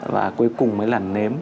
và cuối cùng mới là nếm